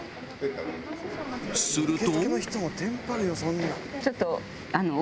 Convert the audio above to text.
［すると］